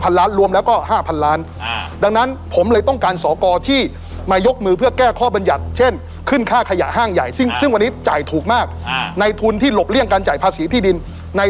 อาจจะต้องเอางานออกไปคือมีเมืองที่อยู่กระจายเป็นเมืองบริวารไปด้วย